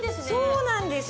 そうなんですよ。